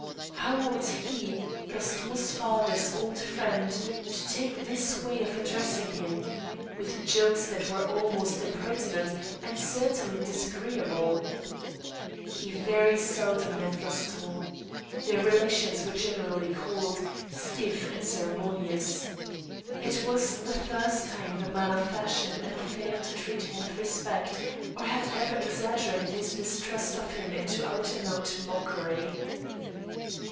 How ought he, Gaston's father's old friend, to take this way of addressing him, with jokes that were al most impertinent, and certainly disagreeable ? He very seldom met Gaston. Their relations were generally cold, stiff, and ceremonious. It was the first time the man of fashion had ever failed to treat him with respect, or had ever exaggerated his mistrust of him into out and out mockery.